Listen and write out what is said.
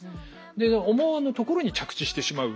で思わぬところに着地してしまう。